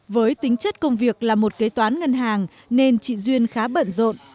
với tính chất công việc là một kế toán ngân hàng nên chị duyên khá bận rộn